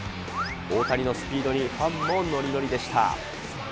大谷のスピードにファンものりのりでした。